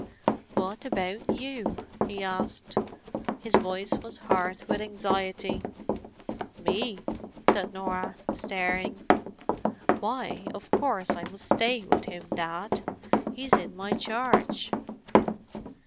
"What about you?" he asked. His voice was hard with anxiety. "Me?" said Norah, staring. "Why, of course I must stay with him, Dad. He's in my charge."